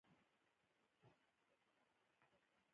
پوهنې وزارت څنګه ښوونځي اداره کوي؟